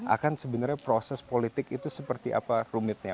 akan sebenarnya proses politik itu seperti apa rumitnya